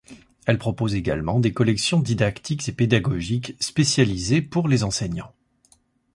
Elle propose également des collections didactiques et pédagogiques spécialisées pour les enseignants.